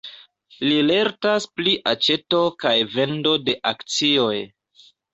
Li lertas pri aĉeto kaj vendo de akcioj.